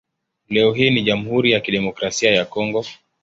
Leo hii ni Jamhuri ya Kidemokrasia ya Kongo.